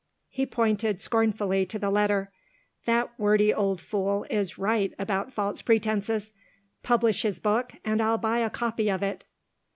He pointed scornfully to the letter. "That wordy old fool is right about the false pretences. Publish his book, and I'll buy a copy of it."